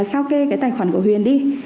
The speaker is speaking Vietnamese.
sao kê cái tài khoản của huỳnh đi